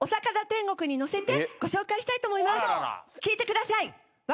聴いてください。